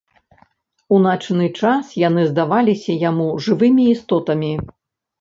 У начны час яны здаваліся яму жывымі істотамі.